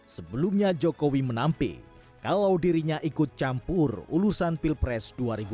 sebelumnya jokowi menampik kalau dirinya ikut campur ulusan pilpres dua ribu dua puluh empat